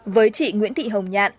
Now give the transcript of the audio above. với chị nguyễn thị hồng